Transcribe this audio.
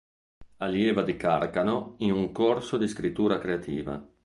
Allieva di Carcano in un corso di scrittura creativa.